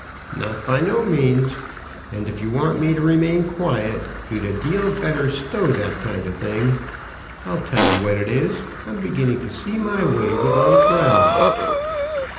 "Not by no means. And if you want me to remain quiet, you'd a deal better stow that kind of thing. I'll tell you what it is I'm beginning to see my way with old Brown."